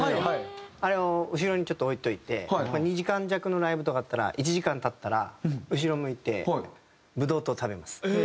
あれを後ろにちょっと置いといて２時間弱のライブとかだったら１時間経ったら後ろ向いてブドウ糖を食べます。